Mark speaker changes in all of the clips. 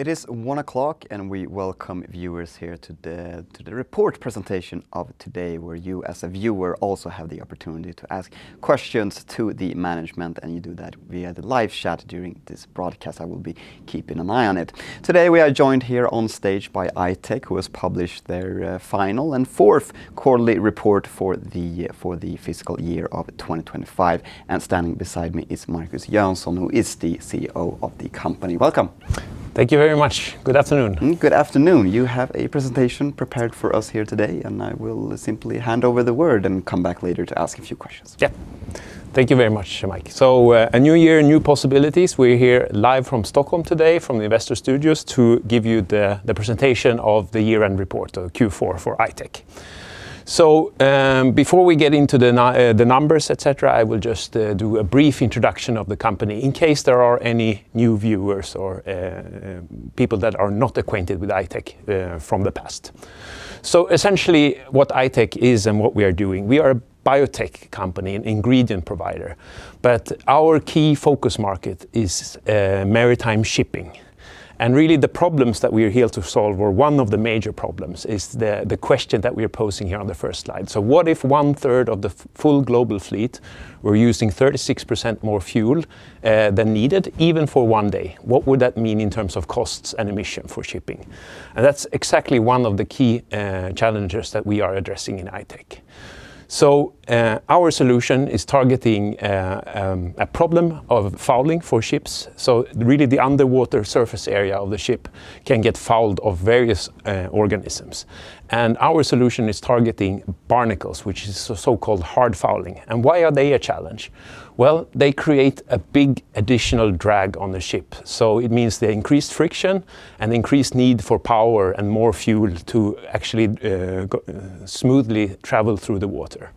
Speaker 1: It is 1:00, and we welcome viewers here to the report presentation of today, where you, as a viewer, also have the opportunity to ask questions to the management, and you do that via the live chat during this broadcast. I will be keeping an eye on it. Today, we are joined here on stage by I-Tech, who has published their final and fourth quarterly report for the fiscal year of 2025. Standing beside me is Markus Jönsson, who is the CEO of the company. Welcome.
Speaker 2: Thank you very much. Good afternoon.
Speaker 1: Good afternoon. You have a presentation prepared for us here today, and I will simply hand over the word and come back later to ask a few questions.
Speaker 2: Yeah. Thank you very much, Mike. So, a new year, new possibilities. We're here live from Stockholm today, from the Investor Studios, to give you the presentation of the year-end report, Q4 for I-Tech. So, before we get into the numbers, et cetera, I will just do a brief introduction of the company in case there are any new viewers or people that are not acquainted with I-Tech from the past. So essentially, what I-Tech is and what we are doing, we are a biotech company, an ingredient provider, but our key focus market is maritime shipping. And really, the problems that we are here to solve, or one of the major problems, is the question that we are posing here on the first slide. So what if one-third of the full global fleet were using 36% more fuel than needed, even for one day? What would that mean in terms of costs and emissions for shipping? And that's exactly one of the key challenges that we are addressing in I-Tech. So our solution is targeting a problem of fouling for ships. So really, the underwater surface area of the ship can get fouled of various organisms. And our solution is targeting barnacles, which is so-called hard fouling. And why are they a challenge? Well, they create a big additional drag on the ship, so it means the increased friction and increased need for power and more fuel to actually smoothly travel through the water.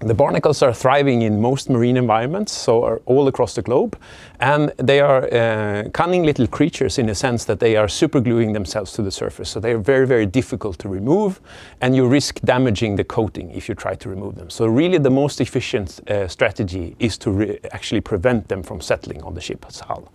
Speaker 2: The barnacles are thriving in most marine environments, so are all across the globe, and they are cunning little creatures in the sense that they are super gluing themselves to the surface. So they are very, very difficult to remove, and you risk damaging the coating if you try to remove them. So really, the most efficient strategy is to actually prevent them from settling on the ship's hull.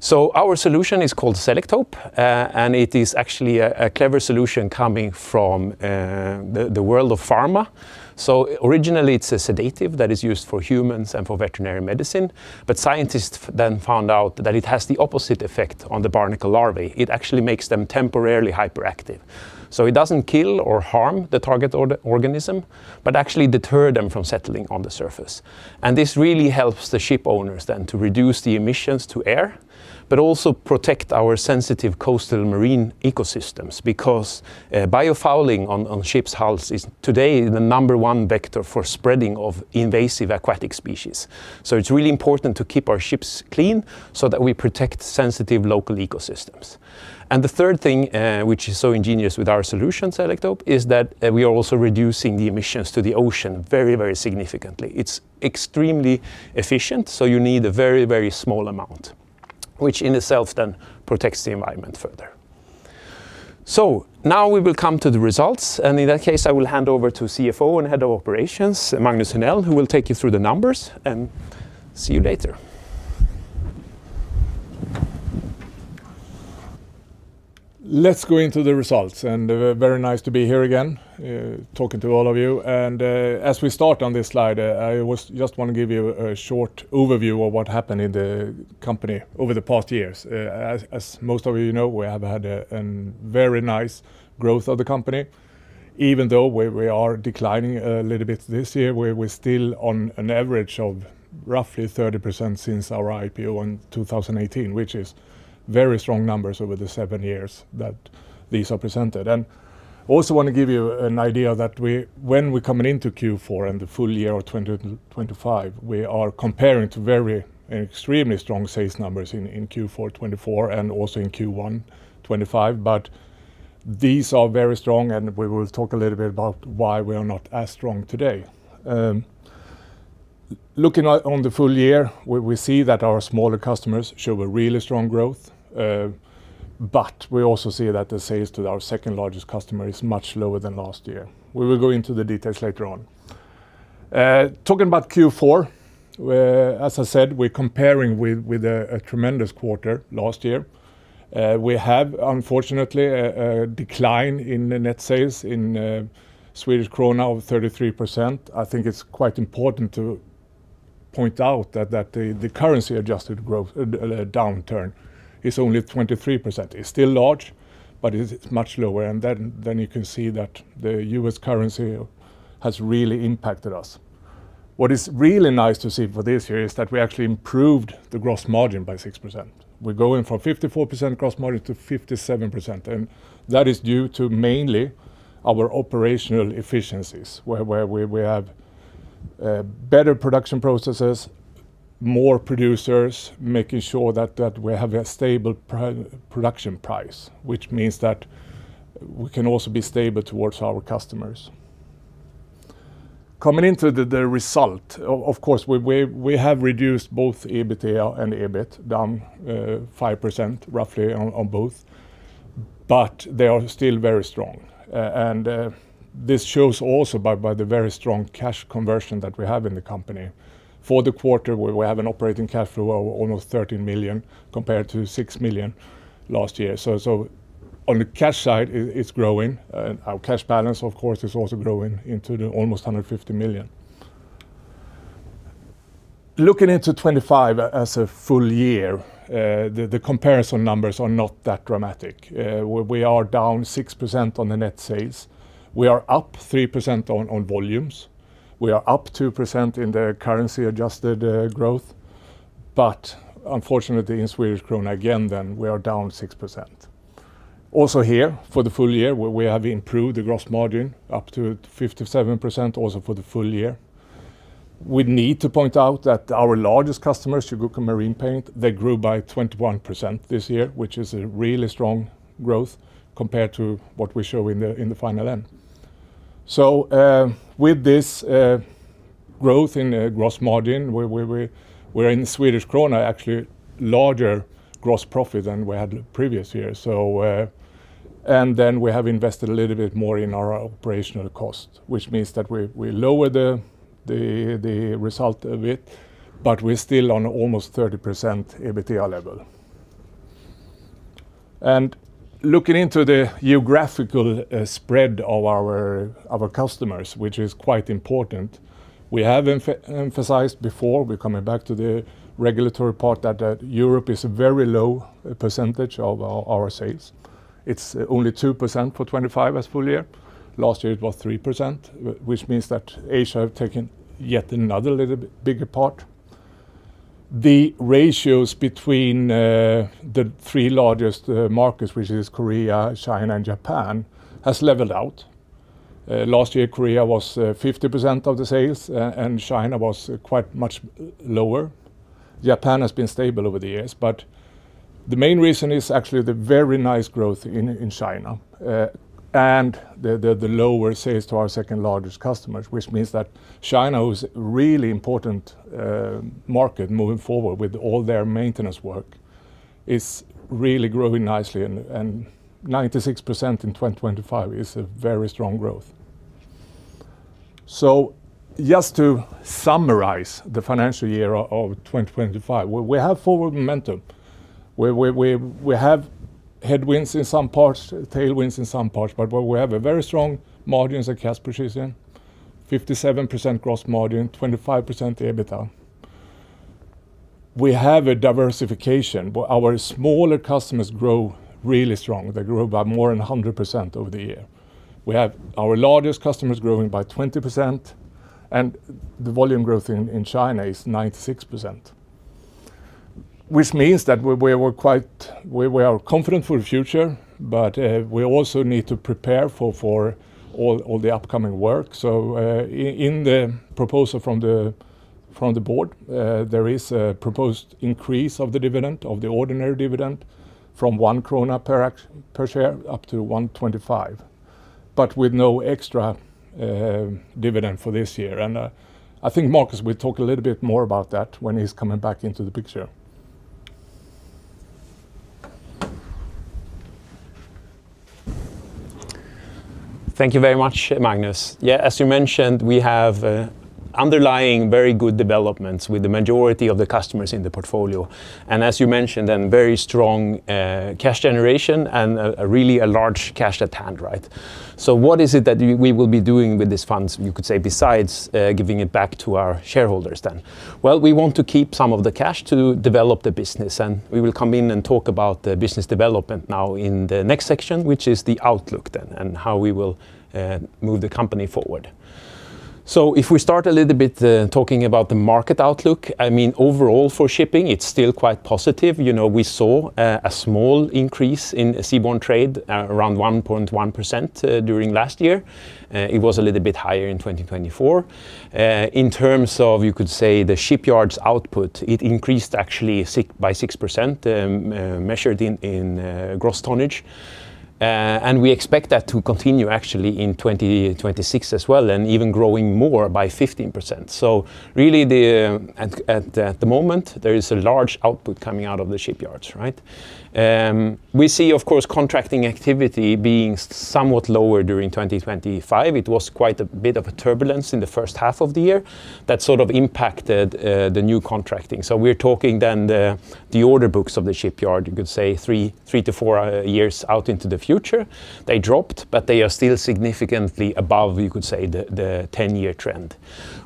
Speaker 2: So our solution is called Selektope, and it is actually a clever solution coming from the world of pharma. So originally, it's a sedative that is used for humans and for veterinary medicine, but scientists then found out that it has the opposite effect on the barnacle larvae. It actually makes them temporarily hyperactive. So it doesn't kill or harm the target organism, but actually deter them from settling on the surface. And this really helps the ship owners then to reduce the emissions to air, but also protect our sensitive coastal marine ecosystems, because biofouling on ships' hulls is today the number one vector for spreading of invasive aquatic species. So it's really important to keep our ships clean so that we protect sensitive local ecosystems. And the third thing, which is so ingenious with our solution, Selektope, is that we are also reducing the emissions to the ocean very, very significantly. It's extremely efficient, so you need a very, very small amount, which in itself then protects the environment further. So now we will come to the results, and in that case, I will hand over to CFO and Head of Operations, Magnus Henell, who will take you through the numbers, and see you later.
Speaker 3: Let's go into the results, and very nice to be here again, talking to all of you. As we start on this slide, I just want to give you a short overview of what happened in the company over the past years. As most of you know, we have had a very nice growth of the company. Even though we are declining a little bit this year, we're still on an average of roughly 30% since our IPO in 2018, which is very strong numbers over the seven years that these are presented. Also want to give you an idea that when we're coming into Q4 and the full year of 2025, we are comparing to very extremely strong sales numbers in Q4 2024, and also in Q1 2025, but these are very strong, and we will talk a little bit about why we are not as strong today. Looking out on the full year, we see that our smaller customers show a really strong growth, but we also see that the sales to our second-largest customer is much lower than last year. We will go into the details later on. Talking about Q4, as I said, we're comparing with a tremendous quarter last year. We have, unfortunately, a decline in the net sales in Swedish krona of 33%. I think it's quite important to point out that the currency-adjusted growth downturn is only 23%. It's still large, but it's much lower, and then you can see that the U.S. currency has really impacted us. What is really nice to see for this year is that we actually improved the gross margin by 6%. We're going from 54% gross margin to 57%, and that is due to mainly our operational efficiencies, where we have better production processes, more producers, making sure that we have a stable production price, which means that we can also be stable towards our customers. Coming into the result, of course, we have reduced both EBITDA and EBIT down 5%, roughly, on both, but they are still very strong. And this shows also by the very strong cash conversion that we have in the company. For the quarter, we have an operating cash flow of almost 13 million, compared to 6 million last year. So on the cash side, it's growing, and our cash balance, of course, is also growing into almost 150 million. Looking into 2025 as a full year, the comparison numbers are not that dramatic. We are down 6% on the net sales. We are up 3% on volumes. We are up 2% in the currency-adjusted growth, but unfortunately, in Swedish krona again, then we are down 6%. Also here, for the full year, we have improved the gross margin up to 57%, also for the full year. We need to point out that our largest customer, Chugoku Marine Paints, they grew by 21% this year, which is a really strong growth compared to what we show in the final end. So, with this growth in gross margin, we're in Swedish krona, actually, larger gross profit than we had previous year. And then we have invested a little bit more in our operational costs, which means that we lower the result a bit, but we're still on almost 30% EBITDA level. And looking into the geographical spread of our customers, which is quite important, we have emphasized before, we're coming back to the regulatory part, that Europe is a very low percentage of our sales. It's only 2% for 2025 as full year. Last year, it was 3%, which means that Asia have taken yet another little bigger part. The ratios between the three largest markets, which is Korea, China, and Japan, has leveled out. Last year, Korea was fifty percent of the sales, and China was quite much lower. Japan has been stable over the years, but the main reason is actually the very nice growth in China, and the lower sales to our second-largest customers, which means that China, who's a really important market moving forward with all their maintenance work, is really growing nicely, and 96% in 2025 is a very strong growth. So just to summarize the financial year of 2025, we have forward momentum. We have headwinds in some parts, tailwinds in some parts, but we have a very strong margins and cash position, 57% gross margin, 25% EBITDA. We have a diversification, where our smaller customers grow really strong. They grew by more than 100% over the year. We have our largest customers growing by 20%, and the volume growth in China is 96%, which means that we are confident for the future, but we also need to prepare for all the upcoming work. So, in the proposal from the board, there is a proposed increase of the dividend, of the ordinary dividend, from 1 krona per share, up to 1.25, but with no extra dividend for this year. I think Markus will talk a little bit more about that when he's coming back into the picture.
Speaker 2: Thank you very much, Magnus. Yeah, as you mentioned, we have underlying very good developments with the majority of the customers in the portfolio, and as you mentioned, and very strong cash generation and really a large cash at hand, right? So what is it that we will be doing with these funds, you could say, besides giving it back to our shareholders, then? Well, we want to keep some of the cash to develop the business, and we will come in and talk about the business development now in the next section, which is the outlook then, and how we will move the company forward. So if we start a little bit talking about the market outlook, I mean, overall, for shipping, it's still quite positive. You know, we saw a small increase in seaborne trade around 1.1% during last year. It was a little bit higher in 2024. In terms of, you could say, the shipyards output, it increased actually by 6% measured in gross tonnage, and we expect that to continue, actually, in 2026 as well, and even growing more by 15%. So really, at the moment, there is a large output coming out of the shipyards, right? We see, of course, contracting activity being somewhat lower during 2025. It was quite a bit of a turbulence in the first half of the year that sort of impacted the new contracting. So we're talking then the order books of the shipyard, you could say, three to four years out into the future. They dropped, but they are still significantly above, you could say, the 10-year trend.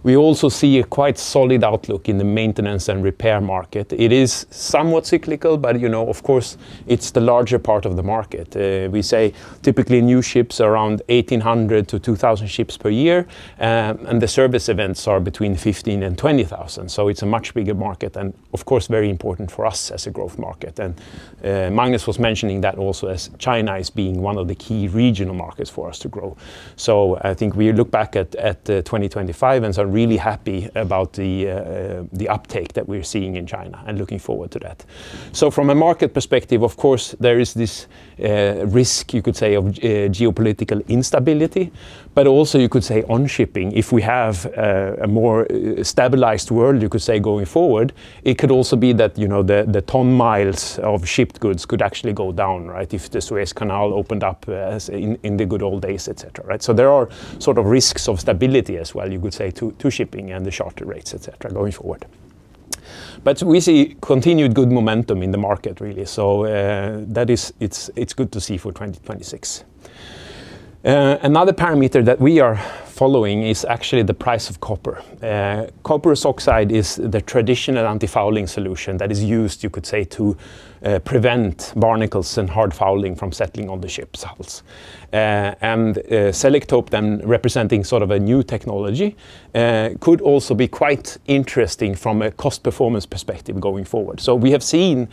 Speaker 2: We also see a quite solid outlook in the maintenance and repair market. It is somewhat cyclical, but, you know, of course, it's the larger part of the market. We say, typically, new ships are around 1,800-2,000 ships per year, and the service events are between 15,000 and 20,000. So it's a much bigger market, and of course, very important for us as a growth market. And Magnus was mentioning that also as China as being one of the key regional markets for us to grow. So I think we look back at 2025 and are really happy about the uptake that we're seeing in China and looking forward to that. So from a market perspective, of course, there is this risk, you could say, of geopolitical instability, but also you could say on shipping, if we have a more stabilized world, you could say, going forward, it could also be that, you know, the ton miles of shipped goods could actually go down, right? If the Suez Canal opened up, as in the good old days, et cetera, right? So there are sort of risks of stability as well, you could say, to shipping and the charter rates, et cetera, going forward. But we see continued good momentum in the market, really. So, it's good to see for 2026. Another parameter that we are following is actually the price of copper. Copper oxide is the traditional antifouling solution that is used, you could say, to prevent barnacles and hard fouling from settling on the ship's hulls. And Selektope then representing sort of a new technology could also be quite interesting from a cost performance perspective going forward. So we have seen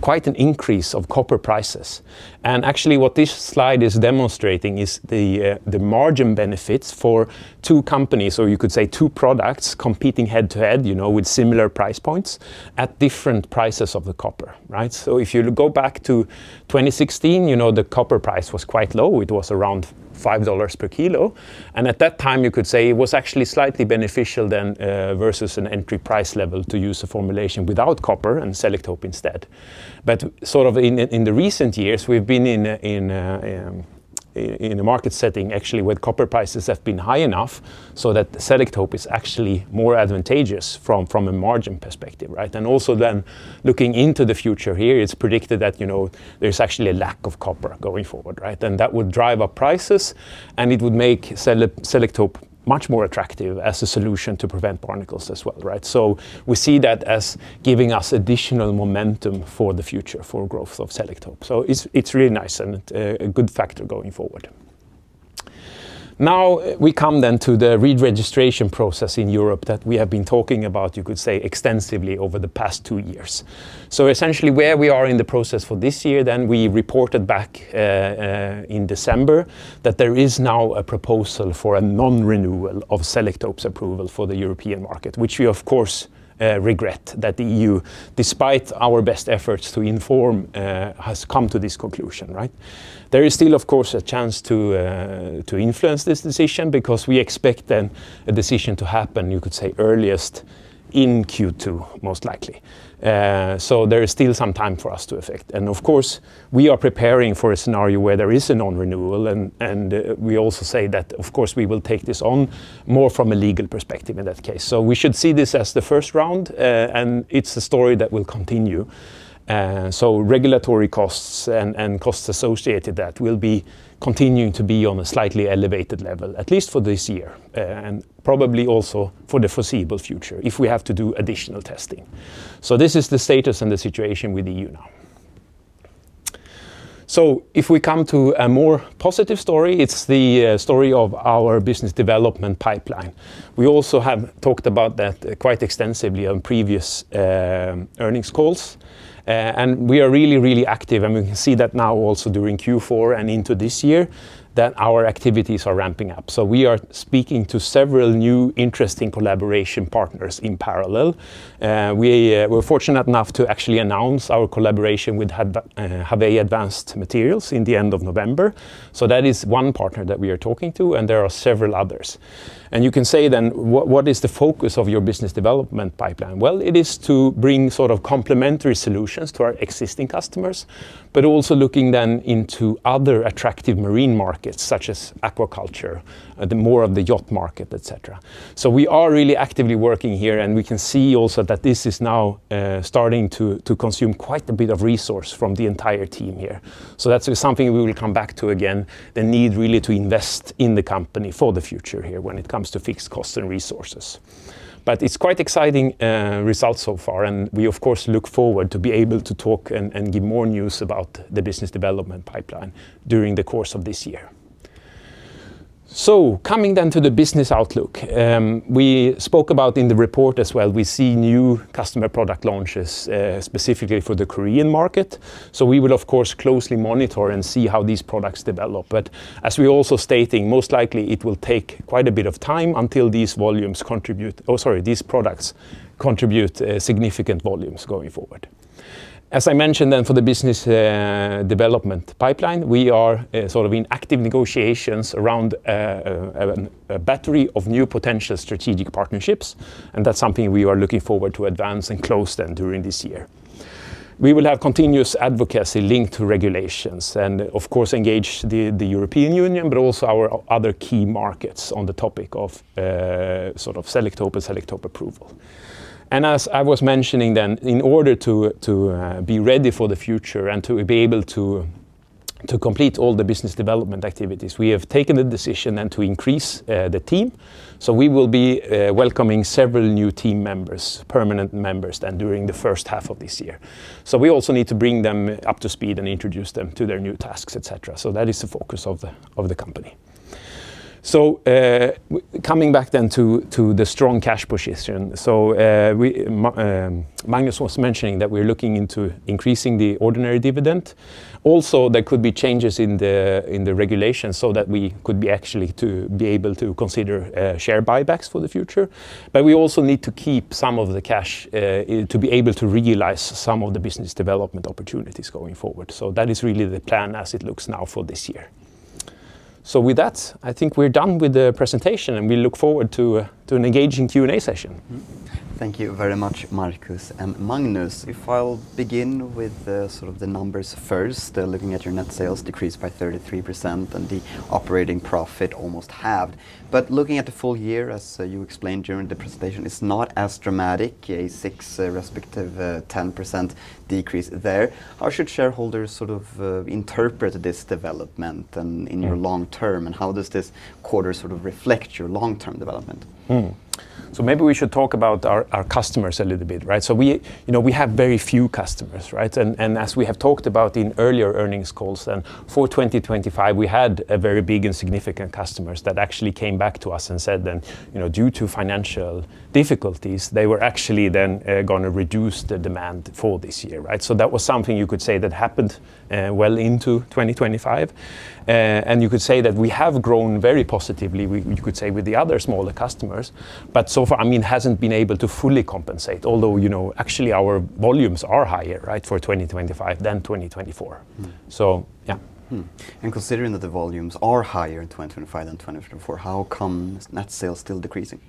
Speaker 2: quite an increase of copper prices, and actually, what this slide is demonstrating is the margin benefits for two companies, or you could say two products, competing head-to-head, you know, with similar price points at different prices of the copper, right? So if you go back to 2016, you know, the copper price was quite low. It was around $5 per kilo, and at that time, you could say it was actually slightly beneficial then versus an entry price level to use a formulation without copper and Selektope instead. But sort of in the recent years, we've been in a market setting, actually, where copper prices have been high enough so that Selektope is actually more advantageous from a margin perspective, right? And also, then, looking into the future here, it's predicted that, you know, there's actually a lack of copper going forward, right? And that would drive up prices, and it would make Selektope much more attractive as a solution to prevent barnacles as well, right? So we see that as giving us additional momentum for the future, for growth of Selektope. So it's really nice and a good factor going forward. Now, we come then to the re-registration process in Europe that we have been talking about, you could say, extensively over the past two years. So essentially, where we are in the process for this year, then we reported back in December, that there is now a proposal for a non-renewal of Selektope's approval for the European market, which we, of course, regret, that the EU, despite our best efforts to inform, has come to this conclusion, right? There is still, of course, a chance to to influence this decision, because we expect then a decision to happen, you could say, earliest in Q2, most likely. So there is still some time for us to affect. And of course, we are preparing for a scenario where there is a non-renewal, and we also say that, of course, we will take this on more from a legal perspective in that case. So we should see this as the first round, and it's a story that will continue. So regulatory costs and costs associated, that will be continuing to be on a slightly elevated level, at least for this year, and probably also for the foreseeable future, if we have to do additional testing. So this is the status and the situation with the EU now. So if we come to a more positive story, it's the story of our business development pipeline. We also have talked about that quite extensively on previous earnings calls. And we are really, really active, and we can see that now also during Q4 and into this year, that our activities are ramping up. So we are speaking to several new interesting collaboration partners in parallel. We're fortunate enough to actually announce our collaboration with Havey Advanced Materials in the end of November. So that is one partner that we are talking to, and there are several others. And you can say then, "What is the focus of your business development pipeline?" Well, it is to bring sort of complementary solutions to our existing customers, but also looking then into other attractive marine markets, such as aquaculture, more of the yacht market, et cetera. So we are really actively working here, and we can see also that this is now starting to consume quite a bit of resource from the entire team here. So that's something we will come back to again, the need really to invest in the company for the future here when it comes to fixed costs and resources. But it's quite exciting results so far, and we of course look forward to be able to talk and give more news about the business development pipeline during the course of this year. So coming then to the business outlook, we spoke about in the report as well, we see new customer product launches specifically for the Korean market. So we will, of course, closely monitor and see how these products develop. But as we're also stating, most likely it will take quite a bit of time until these volumes contribute. Oh, sorry, these products contribute significant volumes going forward. As I mentioned, then, for the business development pipeline, we are sort of in active negotiations around a battery of new potential strategic partnerships, and that's something we are looking forward to advance and close then during this year. We will have continuous advocacy linked to regulations, and of course, engage the European Union, but also our other key markets on the topic of sort of Selektope and Selektope approval. And as I was mentioning then, in order to be ready for the future and to be able to complete all the business development activities, we have taken the decision then to increase the team. So we will be welcoming several new team members, permanent members, then during the first half of this year. So we also need to bring them up to speed and introduce them to their new tasks, et cetera. So that is the focus of the company. So coming back then to the strong cash position. So we Magnus was mentioning that we're looking into increasing the ordinary dividend. Also, there could be changes in the regulations so that we could be actually to be able to consider share buybacks for the future. But we also need to keep some of the cash to be able to realize some of the business development opportunities going forward. So that is really the plan as it looks now for this year. So with that, I think we're done with the presentation, and we look forward to an engaging Q&A session.
Speaker 1: Thank you very much, Markus and Magnus. If I'll begin with the, sort of the numbers first, looking at your net sales decreased by 33%, and the operating profit almost halved. But looking at the full year, as you explained during the presentation, it's not as dramatic, a 6% respective 10% decrease there. How should shareholders sort of interpret this development then in your long term, and how does this quarter sort of reflect your long-term development?
Speaker 2: So maybe we should talk about our customers a little bit, right? So you know, we have very few customers, right? And as we have talked about in earlier earnings calls, then for 2025, we had a very big and significant customers that actually came back to us and said then, you know, due to financial difficulties, they were actually then going to reduce the demand for this year, right? So that was something you could say that happened, well into 2025. And you could say that we have grown very positively, you could say, with the other smaller customers, but so far, I mean, hasn't been able to fully compensate. Although, you know, actually, our volumes are higher, right, for 2025 than 2024.
Speaker 1: Mm-hmm.
Speaker 2: So, yeah.
Speaker 1: Considering that the volumes are higher in 2025 than 2024, how come net sales still decreasing?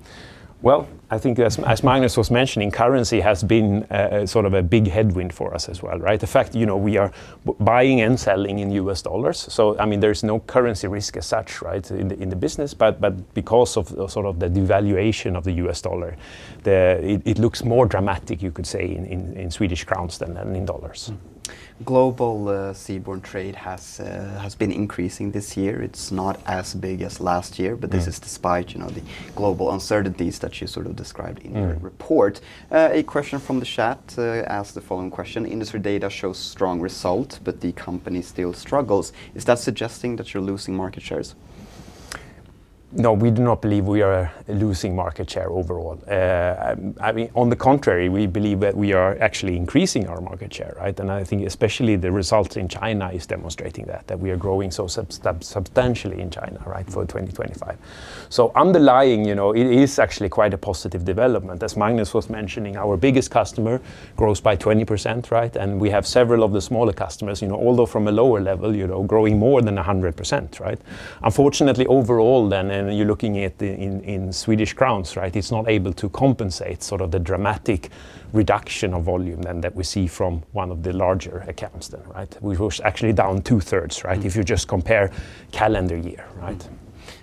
Speaker 2: Well, I think as Magnus was mentioning, currency has been sort of a big headwind for us as well, right? The fact, you know, we are buying and selling in U.S. dollars, so, I mean, there's no currency risk as such, right, in the business. But because of the sort of the devaluation of the U.S. dollar, it looks more dramatic, you could say, in Swedish crowns than in dollars.
Speaker 1: Global seaborne trade has been increasing this year. It's not as big as last year but this is despite, you know, the global uncertainties that you sort of described in your report. A question from the chat asks the following question, "Industry data shows strong result, but the company still struggles. Is that suggesting that you're losing market shares?
Speaker 2: No, we do not believe we are losing market share overall. I mean, on the contrary, we believe that we are actually increasing our market share, right? And I think especially the results in China is demonstrating that, that we are growing so substantially in China, right, for 2025. So underlying, you know, it is actually quite a positive development. As Magnus was mentioning, our biggest customer grows by 20%, right? And we have several of the smaller customers, you know, although from a lower level, you know, growing more than 100%, right?
Speaker 1: Mm.
Speaker 2: Unfortunately, overall then, and you're looking at in Swedish crowns, right, it's not able to compensate sort of the dramatic reduction of volume then that we see from one of the larger accounts then, right? We was actually down two-thirds, right if you just compare calendar year, right?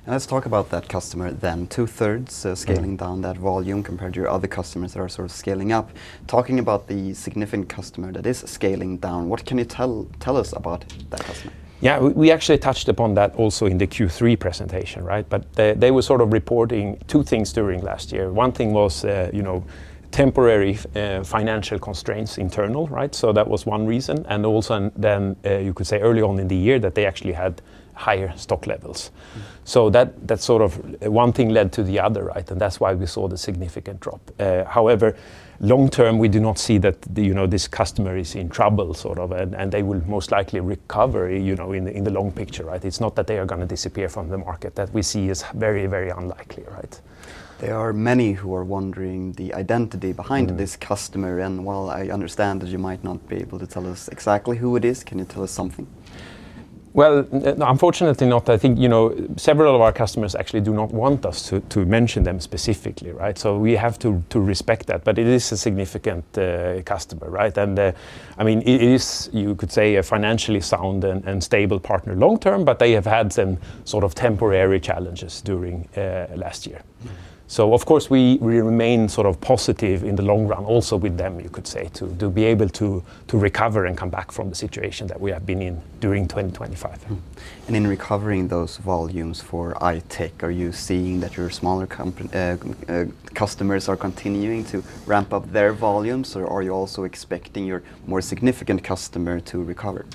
Speaker 1: Let's talk about that customer then. Two-thirds scaling down that volume compared to your other customers that are sort of scaling up. Talking about the significant customer that is scaling down, what can you tell, tell us about that customer?
Speaker 2: Yeah, we actually touched upon that also in the Q3 presentation, right? But they were sort of reporting two things during last year. One thing was, you know, temporary financial constraints, internal, right? So that was one reason, and also, and then you could say early on in the year that they actually had higher stock levels. So that, that's sort of one thing led to the other, right, and that's why we saw the significant drop. However, long term, we do not see that, you know, this customer is in trouble, sort of, and, and they will most likely recover, you know, in the, in the long picture, right? It's not that they are gonna disappear from the market. That we see as very, very unlikely, right?
Speaker 1: There are many who are wondering the identity behind this customer, and while I understand that you might not be able to tell us exactly who it is, can you tell us something?
Speaker 2: Well, unfortunately not. I think, you know, several of our customers actually do not want us to mention them specifically, right? So we have to respect that. But it is a significant customer, right? And, I mean, it is, you could say, a financially sound and stable partner long term, but they have had some sort of temporary challenges during last year. So of course, we remain sort of positive in the long run also with them, you could say, to be able to recover and come back from the situation that we have been in during 2025.
Speaker 1: And in recovering those volumes for I-Tech, are you seeing that your smaller company-- customers are continuing to ramp up their volumes, or are you also expecting your more significant customer to recover?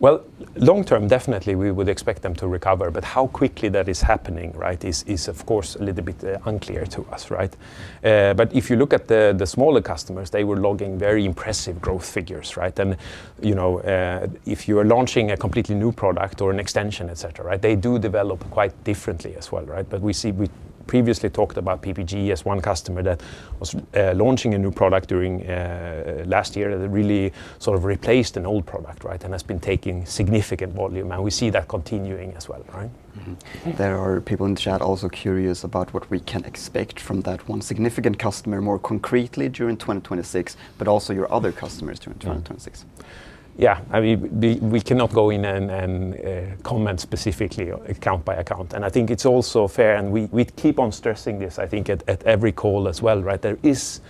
Speaker 2: Well, long term, definitely, we would expect them to recover, but how quickly that is happening, right, is, of course, a little bit unclear to us, right? But if you look at the smaller customers, they were logging very impressive growth figures, right? And, you know, if you are launching a completely new product or an extension, et cetera, right, they do develop quite differently as well, right? But we see-- We previously talked about PPG as one customer that was launching a new product during last year that really sort of replaced an old product, right, and has been taking significant volume, and we see that continuing as well, right?
Speaker 1: Mm-hmm.
Speaker 2: Yeah.
Speaker 1: There are people in the chat also curious about what we can expect from that one significant customer more concretely during 2026, but also your other customers during 2026.
Speaker 2: Yeah. I mean, we cannot go in and comment specifically account by account, and I think it's also fair, and we keep on stressing this, I think, at every call as well, right? There is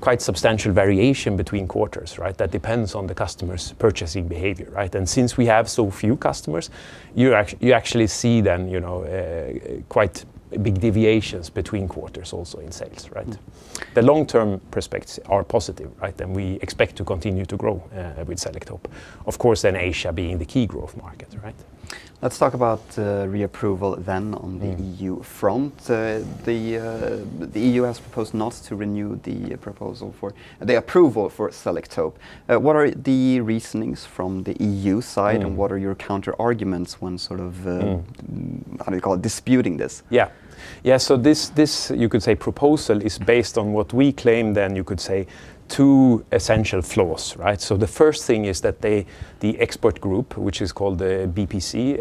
Speaker 2: quite substantial variation between quarters, right? That depends on the customer's purchasing behavior, right? And since we have so few customers, you actually see then, you know, quite big deviations between quarters also in sales, right?
Speaker 1: Mm.
Speaker 2: The long-term prospects are positive, right, and we expect to continue to grow with Selektope. Of course, in Asia being the key growth market, right?
Speaker 1: Let's talk about reapproval then on the EU front. The EU has proposed not to renew the proposal for... the approval for Selektope. What are the reasonings from the EU side and what are your counterarguments when sort of, how do you call it, disputing this?
Speaker 2: Yeah. Yeah, so this, this, you could say, proposal is based on what we claim, then you could say, two essential flaws, right? So the first thing is that they, the expert group, which is called the BPC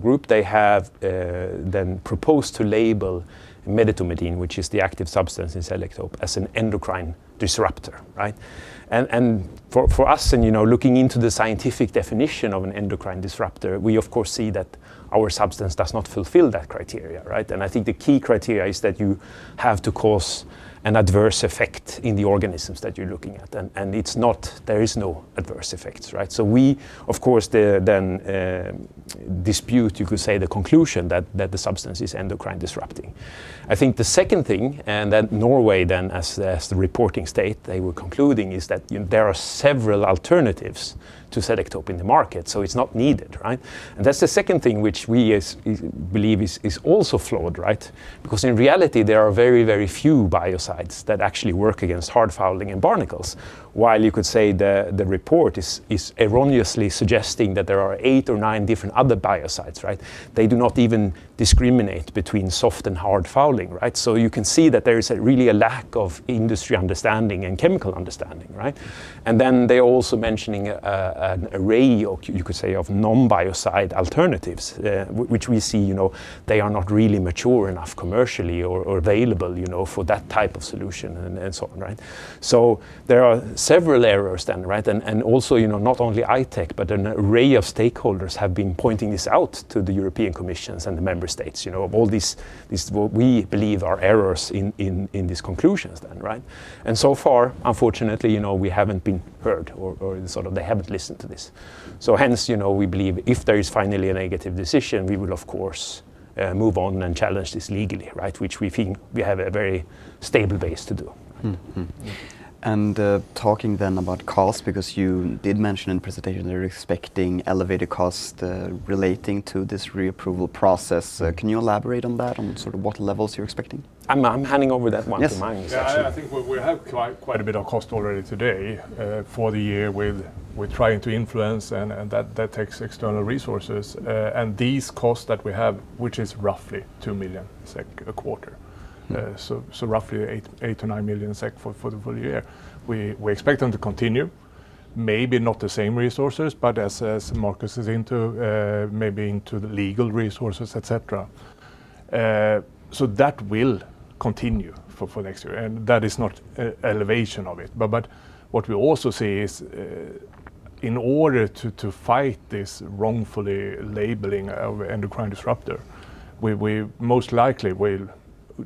Speaker 2: group, they have then proposed to label medetomidine, which is the active substance in Selektope, as an endocrine disruptor, right? And, and for, for us, and, you know, looking into the scientific definition of an endocrine disruptor, we of course see that our substance does not fulfill that criteria, right? And I think the key criteria is that you have to cause an adverse effect in the organisms that you're looking at, and, and it's not. There is no adverse effects, right? So we, of course, then dispute, you could say, the conclusion that, that the substance is endocrine disrupting. I think the second thing, and then Norway, as the reporting state, they were concluding, is that, you know, there are several alternatives to Selektope in the market, so it's not needed, right? And that's the second thing which we believe is also flawed, right? Because in reality, there are very, very few biocides that actually work against hard fouling and barnacles. While you could say the report is erroneously suggesting that there are eight or nine different other biocides, right? They do not even discriminate between soft and hard fouling, right? So you can see that there is really a lack of industry understanding and chemical understanding, right? And then they're also mentioning an array of, you could say, of non-biocide alternatives, which we see, you know, they are not really mature enough commercially or available, you know, for that type of solution, and so on, right? So there are several errors then, right? And also, you know, not only I-Tech, but an array of stakeholders have been pointing this out to the European Commission and the member states, you know, of all these what we believe are errors in these conclusions then, right? And so far, unfortunately, you know, we haven't been heard or sort of they haven't listened to this. So hence, you know, we believe if there is finally a negative decision, we will of course move on and challenge this legally, right? Which we think we have a very stable base to do.
Speaker 1: Talking then about cost, because you did mention in presentation you're expecting elevated cost, relating to this re-approval process. Can you elaborate on that, on sort of what levels you're expecting?
Speaker 2: I'm handing over that one to Magnus, actually.
Speaker 3: Yeah, I think we have quite a bit of cost already today for the year with trying to influence, and that takes external resources. And these costs that we have, which is roughly 2 million SEK a quarter. So roughly 8-9 million SEK for the full year. We expect them to continue, maybe not the same resources, but as Markus is into, maybe into the legal resources, et cetera. So that will continue for next year, and that is not escalation of it. But what we also see is, in order to fight this wrongfully labeling of endocrine disruptor, we most likely will,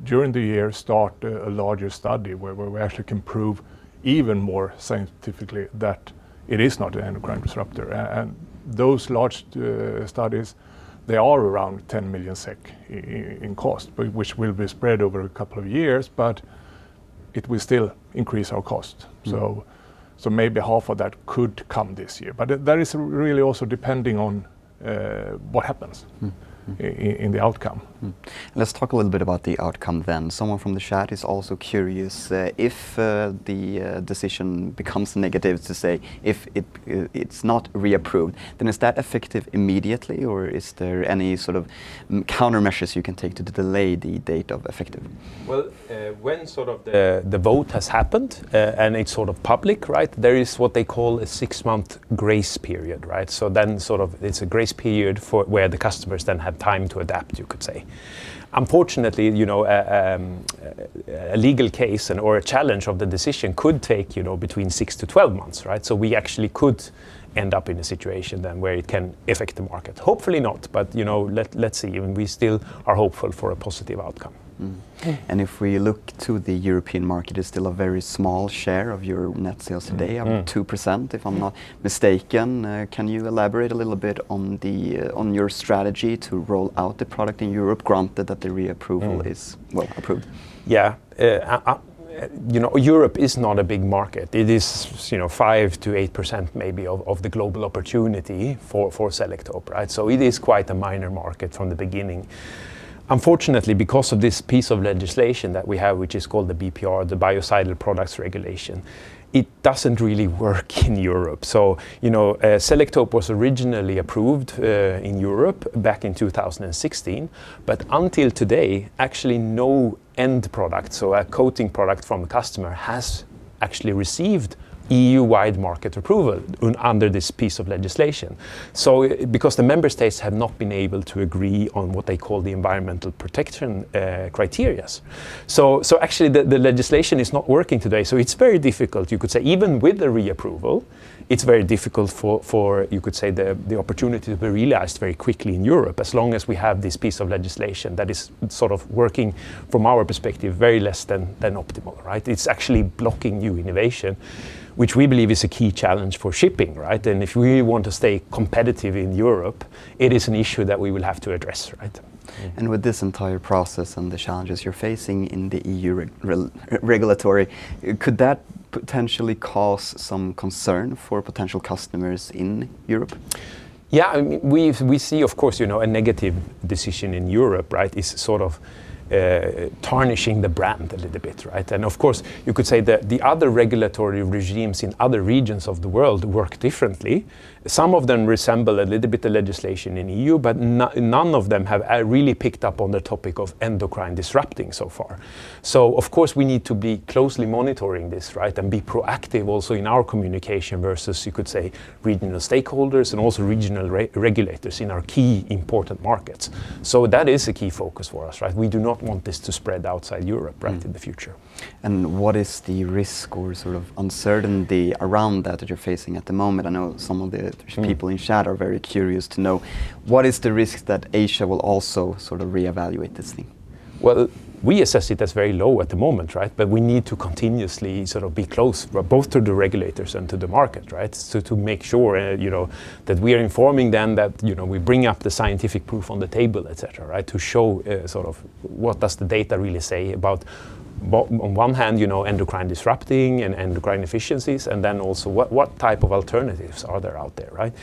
Speaker 3: during the year, start a larger study where we actually can prove even more scientifically that it is not an endocrine disruptor. And those large studies, they are around 10 million SEK in cost, but which will be spread over a couple of years, but it will still increase our cost. So, maybe half of that could come this year. But it, that is really also depending on, what happens in the outcome.
Speaker 1: Let's talk a little bit about the outcome then. Someone from the chat is also curious, if the decision becomes negative, to say, if it's not reapproved, then is that effective immediately, or is there any sort of countermeasures you can take to delay the date of effective?
Speaker 2: Well, when sort of the vote has happened, and it's sort of public, right, there is what they call a six-month grace period, right? So then sort of it's a grace period for where the customers then have time to adapt, you could say. Unfortunately, you know, a legal case and/or a challenge of the decision could take, you know, between six to 12 months, right? So we actually could end up in a situation then where it can affect the market. Hopefully not, but, you know, let's see, and we still are hopeful for a positive outcome.
Speaker 1: If we look to the European market, it's still a very small share of your net sales today about 2%, if I'm not mistaken. Can you elaborate a little bit on the, on your strategy to roll out the product in Europe, granted that the reapproval is, well, approved?
Speaker 2: Yeah. You know, Europe is not a big market. It is, you know, 5%-8% maybe of the global opportunity for Selektope, right? So it is quite a minor market from the beginning. Unfortunately, because of this piece of legislation that we have, which is called the BPR, the Biocidal Products Regulation, it doesn't really work in Europe. So, you know, Selektope was originally approved in Europe back in 2016, but until today, actually, no end product, so a coating product from a customer, has actually received EU-wide market approval under this piece of legislation. So because the member states have not been able to agree on what they call the environmental protection criteria. So actually, the legislation is not working today, so it's very difficult. You could say, even with the reapproval, it's very difficult for, you could say, the opportunity to be realized very quickly in Europe, as long as we have this piece of legislation that is sort of working, from our perspective, very less than optimal, right? It's actually blocking new innovation, which we believe is a key challenge for shipping, right? And if we want to stay competitive in Europe, it is an issue that we will have to address, right?
Speaker 1: Yeah. With this entire process and the challenges you're facing in the EU regulatory, could that potentially cause some concern for potential customers in Europe?
Speaker 2: Yeah, I mean, we see, of course, you know, a negative decision in Europe, right? It's sort of tarnishing the brand a little bit, right? And of course, you could say that the other regulatory regimes in other regions of the world work differently. Some of them resemble a little bit of legislation in EU, but none of them have really picked up on the topic of endocrine-disrupting so far. So of course, we need to be closely monitoring this, right, and be proactive also in our communication versus, you could say, regional stakeholders, and also regional regulators in our key important markets. So that is a key focus for us, right? We do not want this to spread outside Europe, right, in the future.
Speaker 1: What is the risk or sort of uncertainty around that, that you're facing at the moment? I know some of the people in chat are very curious to know, what is the risk that Asia will also sort of reevaluate this thing?
Speaker 2: Well, we assess it as very low at the moment, right? But we need to continuously sort of be close, both to the regulators and to the market, right? So to make sure, you know, that we are informing them that, you know, we bring up the scientific proof on the table, et cetera, right? To show, sort of what does the data really say about, on one hand, you know, endocrine-disrupting and endocrine efficiencies, and then also what, what type of alternatives are there out there, right?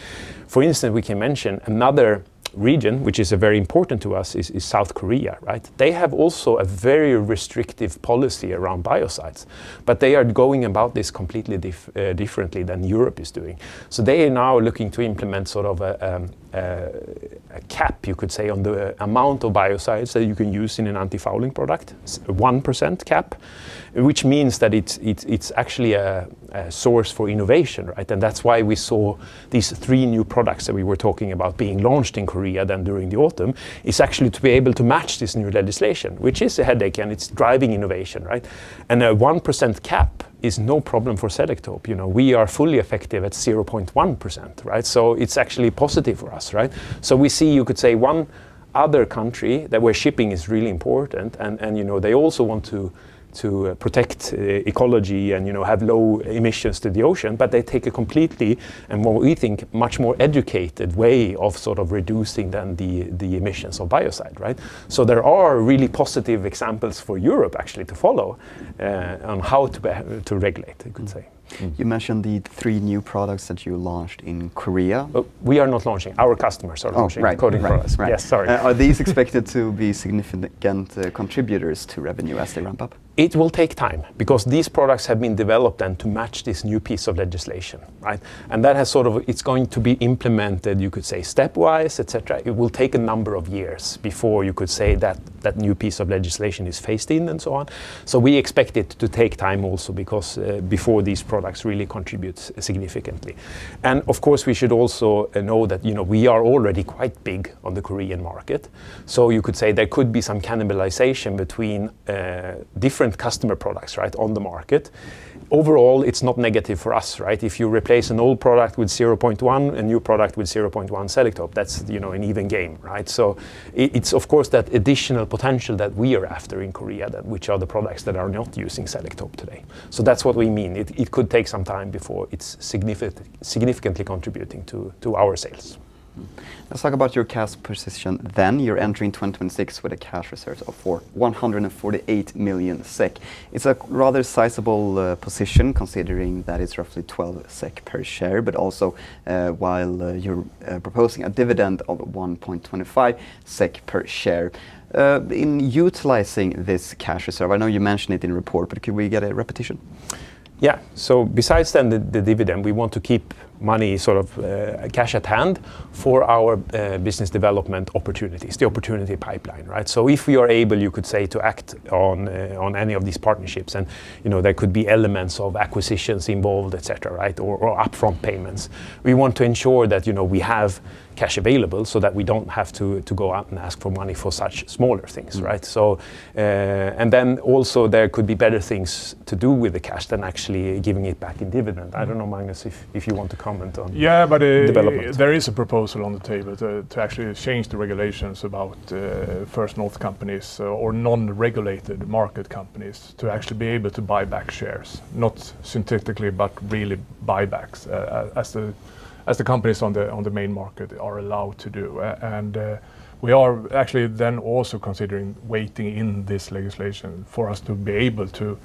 Speaker 2: For instance, we can mention another region, which is, very important to us, is South Korea, right? They have also a very restrictive policy around biocides, but they are going about this completely differently than Europe is doing. So they are now looking to implement sort of a cap, you could say, on the amount of biocides that you can use in an antifouling product. It's 1% cap, which means that it's actually a source for innovation, right? And that's why we saw these three new products that we were talking about being launched in Korea, then, during the autumn, is actually to be able to match this new legislation, which is a headache, and it's driving innovation, right? And a 1% cap is no problem for Selektope. You know, we are fully effective at 0.1%, right? So it's actually positive for us, right? So we see, you could say, one other country that where shipping is really important, and you know, they also want to protect ecology and, you know, have low emissions to the ocean, but they take a completely, and what we think, much more educated way of sort of reducing than the emissions of biocide, right? So there are really positive examples for Europe actually to follow on how to regulate, you could say.
Speaker 1: You mentioned the three new products that you launched in Korea...
Speaker 2: Oh, we are not launching. Our customers are launching.
Speaker 1: Oh, right
Speaker 2: They quoting for us.
Speaker 1: Right.
Speaker 2: Yes, sorry.
Speaker 1: Are these expected to be significant contributors to revenue as they ramp up?
Speaker 2: It will take time, because these products have been developed and to match this new piece of legislation, right? And that has sort of... It's going to be implemented, you could say, stepwise, et cetera. It will take a number of years before you could say that that new piece of legislation is phased in, and so on. So we expect it to take time also because before these products really contribute significantly. And of course, we should also know that, you know, we are already quite big on the Korean market. So you could say there could be some cannibalization between different customer products, right, on the market. Overall, it's not negative for us, right? If you replace an old product with 0.1%, a new product with 0.1% Selektope, that's, you know, an even game, right? So it's of course that additional potential that we are after in Korea, that which are the products that are not using Selektope today. So that's what we mean. It could take some time before it's significantly contributing to our sales.
Speaker 1: Let's talk about your cash position then. You're entering 2026 with a cash reserve of 148 million SEK. It's a rather sizable position, considering that it's roughly 12 SEK per share, but also, while, you're proposing a dividend of 1.25 SEK per share. In utilizing this cash reserve, I know you mentioned it in report, but can we get a repetition?
Speaker 2: Yeah. So besides then the dividend, we want to keep money, sort of, cash at hand for our business development opportunities, the opportunity pipeline, right? So if we are able, you could say, to act on any of these partnerships, and, you know, there could be elements of acquisitions involved, et cetera, right? Or upfront payments. We want to ensure that, you know, we have cash available so that we don't have to go out and ask for money for such smaller things, right? And then also there could be better things to do with the cash than actually giving it back in dividend. I don't know, Magnus, if you want to comment on-
Speaker 3: Yeah, but,
Speaker 2: -development...
Speaker 3: there is a proposal on the table to actually change the regulations about First North companies or non-regulated market companies, to actually be able to buy back shares, not synthetically, but really buybacks, as the companies on the main market are allowed to do. And we are actually then also considering waiting in this legislation for us to be able to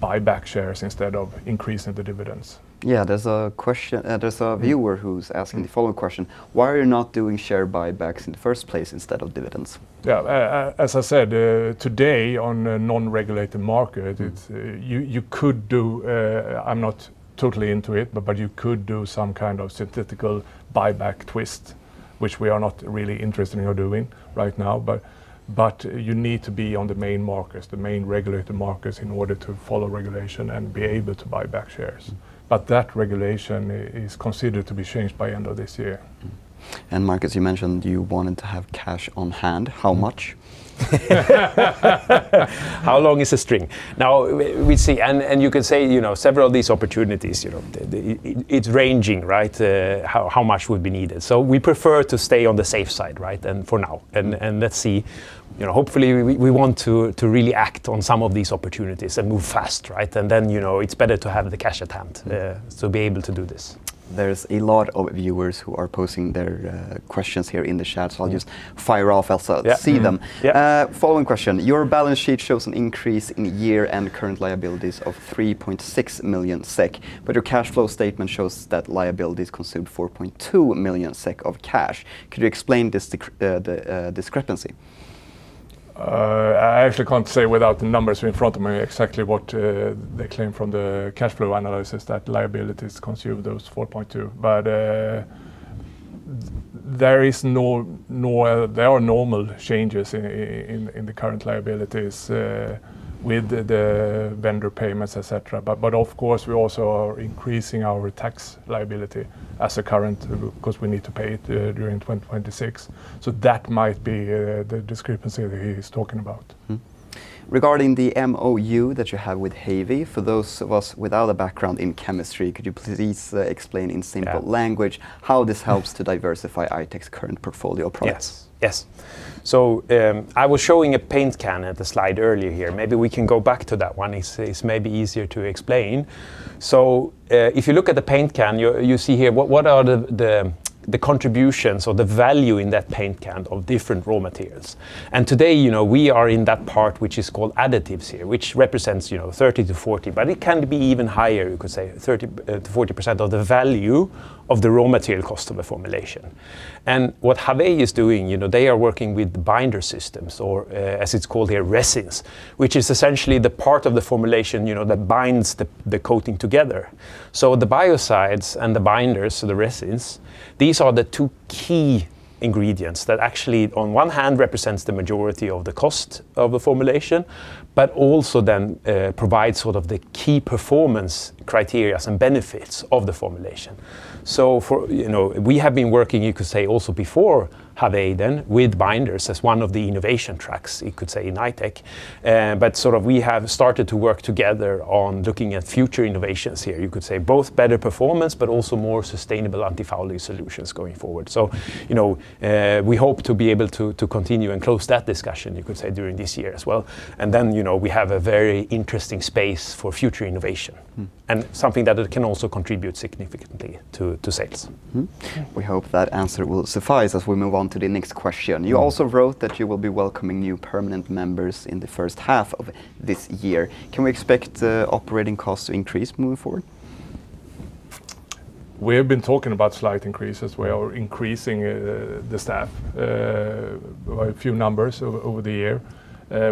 Speaker 3: buy back shares instead of increasing the dividends.
Speaker 1: Yeah, there's a question- there's a viewer who's asking the following question: "Why are you not doing share buybacks in the first place instead of dividends?
Speaker 3: Yeah, as I said, today, on a non-regulated market it's you could do-- I'm not totally into it, but you could do some kind of synthetic buyback twist, which we are not really interested in or doing right now. But you need to be on the main markets, the main regulated markets, in order to follow regulation and be able to buy back shares. But that regulation is considered to be changed by end of this year.
Speaker 1: And Markus, you mentioned you wanted to have cash on hand. How much?
Speaker 2: How long is the string? Now, we see. And you can say, you know, several of these opportunities, you know, it's ranging, right, how much would be needed. So we prefer to stay on the safe side, right, and for now, and let's see. You know, hopefully, we want to really act on some of these opportunities and move fast, right? And then, you know, it's better to have the cash at hand to be able to do this.
Speaker 1: There's a lot of viewers who are posting their questions here in the chat so I'll just fire off as I see them.
Speaker 2: Yeah.
Speaker 1: Following question: "Your balance sheet shows an increase in year and current liabilities of 3.6 million SEK, but your cash flow statement shows that liabilities consumed 4.2 million SEK of cash. Could you explain this discrepancy?
Speaker 3: I actually can't say without the numbers in front of me exactly what they claim from the cash flow analysis that liabilities consume those 4.2 million. But there are normal changes in the current liabilities with the vendor payments, et cetera. But of course, we also are increasing our tax liability as a current, because we need to pay it during 2026. So that might be the discrepancy that he's talking about.
Speaker 1: Regarding the MOU that you have with HAVI, for those of us without a background in chemistry, could you please explain in simple language how this helps to diversify I-Tech's current portfolio products?
Speaker 2: Yes. Yes. So, I was showing a paint can at the slide earlier here. Maybe we can go back to that one. It's maybe easier to explain. So, if you look at the paint can, you see here, what are the contributions or the value in that paint can of different raw materials. And today, you know, we are in that part, which is called additives here, which represents, you know, 30%-40%, but it can be even higher, you could say 30%-40% of the value of the raw material cost of a formulation. And what Havey is doing, you know, they are working with binder systems, or, as it's called here, resins, which is essentially the part of the formulation, you know, that binds the coating together. So the biocides and the binders, so the resins, these are the two key ingredients that actually, on one hand, represents the majority of the cost of a formulation, but also then, provides sort of the key performance criteria and benefits of the formulation. So for, you know, we have been working, you could say also before Havey then, with binders as one of the innovation tracks, you could say, in I-Tech. But sort of we have started to work together on looking at future innovations here. You could say both better performance, but also more sustainable antifouling solutions going forward. So, you know, we hope to be able to, to continue and close that discussion, you could say, during this year as well. And then, you know, we have a very interesting space for future innovation and something that it can also contribute significantly to sales.
Speaker 1: Mm-hmm.
Speaker 3: Yeah.
Speaker 1: We hope that answer will suffice as we move on to the next question.
Speaker 3: Mm.
Speaker 1: You also wrote that you will be welcoming new permanent members in the first half of this year. Can we expect operating costs to increase moving forward?
Speaker 3: We have been talking about slight increases. We are increasing the staff by a few numbers over the year.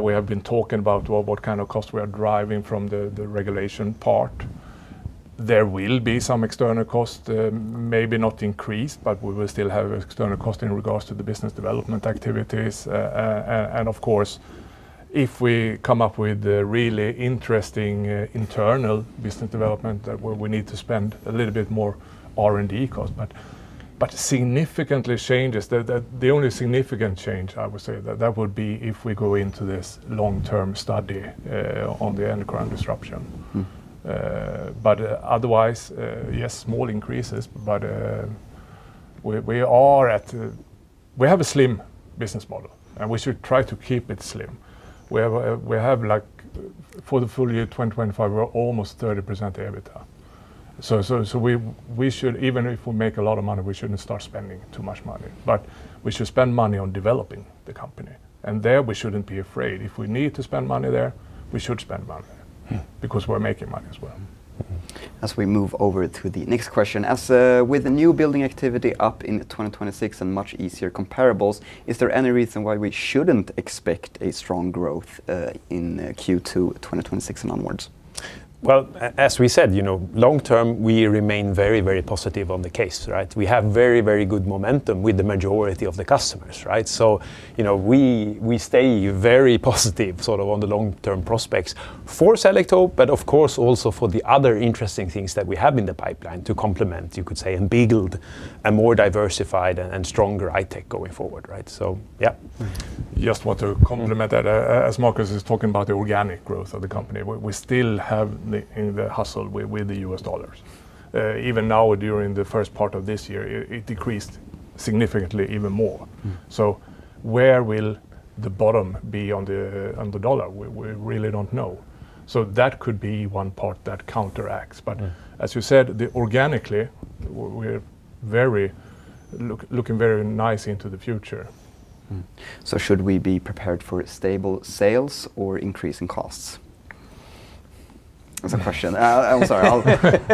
Speaker 3: We have been talking about what kind of cost we are driving from the regulation part. There will be some external cost, maybe not increased, but we will still have external cost in regards to the business development activities. And of course, if we come up with a really interesting internal business development, where we need to spend a little bit more R&D cost. But significantly changes, the only significant change, I would say, that would be if we go into this long-term study on the endocrine disruption. But otherwise, yes, small increases, but, we are at-- We have a slim business model, and we should try to keep it slim. We have, like, for the full-year 2025, we're almost 30% EBITDA. So we, we should, even if we make a lot of money, we shouldn't start spending too much money, but we should spend money on developing the company. And there, we shouldn't be afraid. If we need to spend money there, we should spend money there because we're making money as well.
Speaker 1: As we move over to the next question, with the newbuilding activity up in 2026 and much easier comparables, is there any reason why we shouldn't expect a strong growth in Q2 2026 and onward?
Speaker 2: Well, as we said, you know, long term, we remain very, very positive on the case, right? We have very, very good momentum with the majority of the customers, right? So, you know, we, we stay very positive, sort of on the long-term prospects for Selektope, but of course, also for the other interesting things that we have in the pipeline to complement, you could say, a bigger and more diversified and, and stronger I-Tech going forward, right? So, yeah.
Speaker 3: Just want to complement that.
Speaker 1: Mm.
Speaker 3: As Markus is talking about the organic growth of the company, we still have the hassle with the US dollars. Even now, during the first part of this year, it decreased significantly even more. So where will the bottom be on the dollar? We really don't know. So that could be one part that counteracts. But as you said, the organically, we're very looking very nice into the future.
Speaker 1: So should we be prepared for stable sales or increase in costs? That's the question. I'm sorry.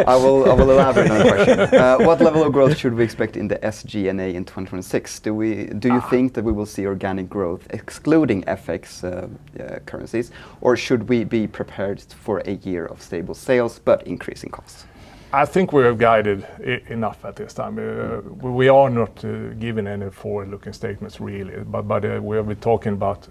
Speaker 1: I will elaborate on the question. What level of growth should we expect in the SG&A in 2026? Do we-- Do you think that we will see organic growth, excluding FX, currencies, or should we be prepared for a year of stable sales but increasing costs?
Speaker 3: I think we have guided enough at this time. We are not giving any forward-looking statements, really, but we have been talking about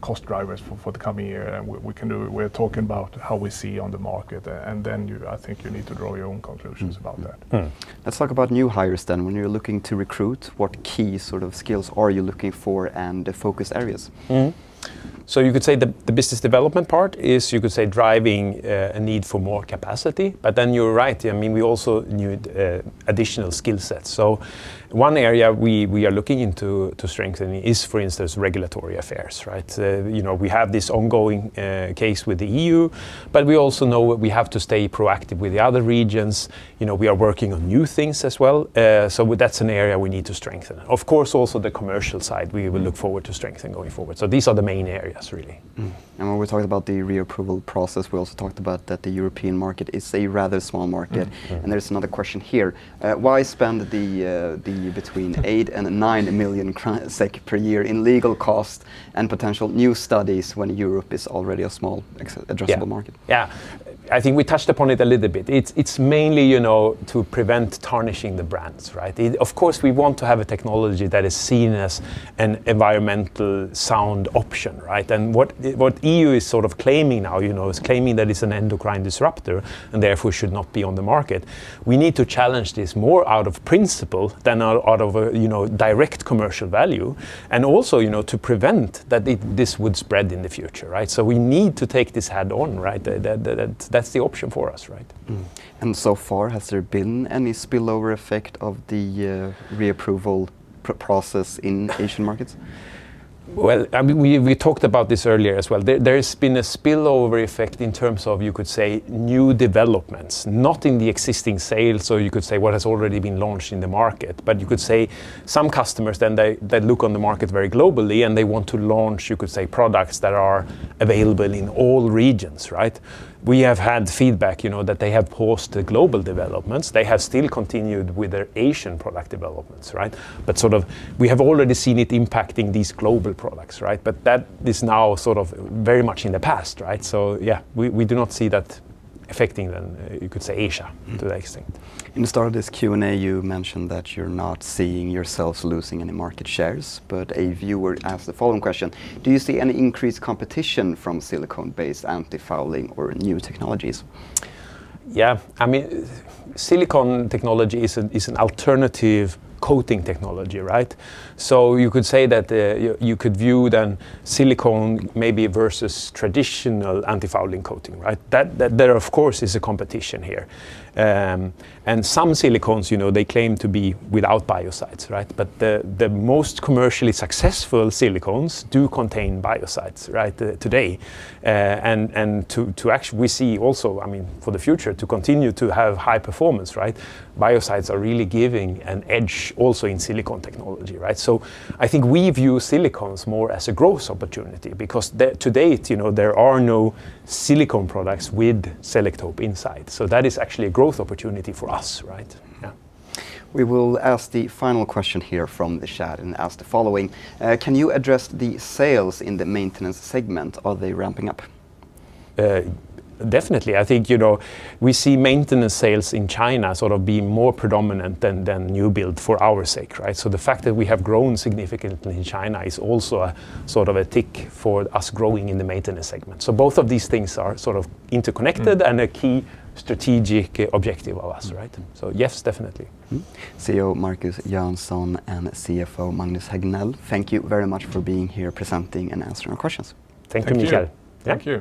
Speaker 3: cost drivers for the coming year, and we can do... We're talking about how we see on the market, and then you, I think you need to draw your own conclusions about that.
Speaker 1: Let's talk about new hires then. When you're looking to recruit, what key sort of skills are you looking for and the focus areas?
Speaker 2: So you could say the business development part is, you could say, driving a need for more capacity. But then you're right, I mean, we also need additional skill sets. So one area we are looking into to strengthening is, for instance, regulatory affairs, right? You know, we have this ongoing case with the EU, but we also know we have to stay proactive with the other regions. You know, we are working on new things as well. So that's an area we need to strengthen. Of course, also the commercial side, we will look forward to strengthening going forward. So these are the main areas, really.
Speaker 1: When we're talking about the reapproval process, we also talked about that the European market is a rather small market. There's another question here. Why spend the between 8 million and 9 million SEK per year in legal costs and potential new studies when Europe is already a small addressable market?
Speaker 2: Yeah. I think we touched upon it a little bit. It's, it's mainly, you know, to prevent tarnishing the brands, right? It- of course, we want to have a technology that is seen as an environmentally sound option, right? And what the- what EU is sort of claiming now, you know, it's claiming that it's an endocrine disruptor, and therefore should not be on the market. We need to challenge this more out of principle than out, out of a, you know, direct commercial value, and also, you know, to prevent that it, this would spread in the future, right? So we need to take this head-on, right? That, that, that's the option for us, right?
Speaker 1: So far, has there been any spillover effect of the reapproval process in Asian markets?
Speaker 2: Well, I mean, we talked about this earlier as well. There has been a spillover effect in terms of, you could say, new developments, not in the existing sales, so you could say what has already been launched in the market. But you could say some customers, then they look on the market very globally, and they want to launch, you could say, products that are available in all regions, right? We have had feedback, you know, that they have paused the global developments. They have still continued with their Asian product developments, right? But sort of we have already seen it impacting these global products, right? But that is now sort of very much in the past, right? So, yeah, we do not see that affecting then, you could say, Asia to the extent.
Speaker 1: In the start of this Q&A, you mentioned that you're not seeing yourselves losing any market shares, but a viewer asked the following question: "Do you see any increased competition from silicone-based antifouling or new technologies?
Speaker 2: Yeah. I mean, silicone technology is an alternative coating technology, right? So you could say that you could view the silicone maybe versus traditional antifouling coating, right? That there, of course, is a competition here. And some silicones, you know, they claim to be without biocides, right? But the most commercially successful silicones do contain biocides, right, today. And we see also, I mean, for the future, to continue to have high performance, right, biocides are really giving an edge also in silicone technology, right? So I think we view silicones more as a growth opportunity, because to date, you know, there are no silicone products with Selektope inside. So that is actually a growth opportunity for us, right? Yeah.
Speaker 1: We will ask the final question here from the chat, and ask the following: "Can you address the sales in the maintenance segment? Are they ramping up?
Speaker 2: Definitely. I think, you know, we see maintenance sales in China sort of be more predominant than newbuild for our sake, right? So the fact that we have grown significantly in China is also a, sort of a tick for us growing in the maintenance segment. So both of these things are sort of interconnected and a key strategic objective of us, right? So yes, definitely.
Speaker 1: CEO Markus Jönsson and CFO Magnus Henell, thank you very much for being here presenting and answering our questions.
Speaker 2: Thank you, Michel.
Speaker 3: Thank you.